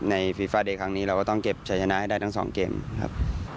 ฟีฟาเดย์ครั้งนี้เราก็ต้องเก็บใช้ชนะให้ได้ทั้งสองเกมครับ